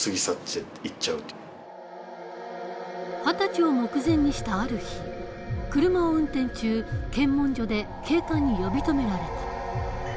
二十歳を目前にしたある日車を運転中検問所で警官に呼び止められた。